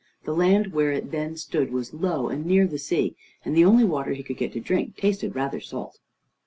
The land where it then stood was low and near the sea, and the only water he could get to drink tasted rather salt.